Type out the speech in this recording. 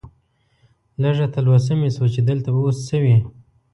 لږه تلوسه مې شوه چې دلته به اوس څه وي.